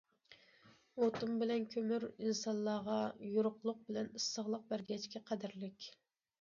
ئوتۇن بىلەن كۆمۈر ئىنسانلارغا يورۇقلۇق بىلەن ئىسسىقلىق بەرگەچكە قەدىرلىك.